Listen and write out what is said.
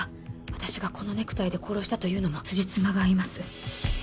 私がこのネクタイで殺したというのもつじつまが合います